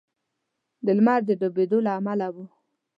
د لمر د ډبېدو له امله و.